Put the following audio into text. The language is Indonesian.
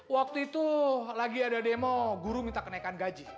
waktu itu lagi ada demo guru minta kenaikan gaji